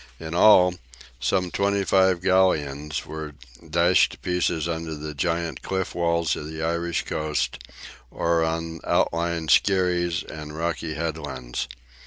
In all, some twenty five galleons were dashed to pieces under the giant cliff walls of the Irish coast, or on outlying skerries and rocky headlands.